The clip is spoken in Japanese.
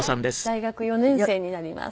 大学４年生になります。